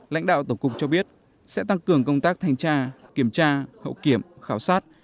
lãnh đạo tổng cục cho biết sẽ tăng cường công tác thanh tra kiểm tra hậu kiểm khảo sát